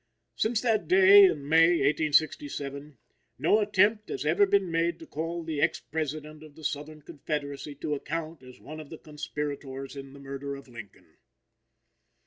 Since that day in May, 1867, no attempt has ever been made to call the ex President of the Southern Confederacy to account as one of the conspirators in the murder of Lincoln.